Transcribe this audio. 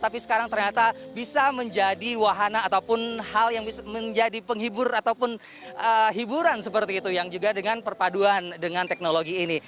tapi sekarang ternyata bisa menjadi wahana ataupun hal yang bisa menjadi penghibur ataupun hiburan seperti itu yang juga dengan perpaduan dengan teknologi ini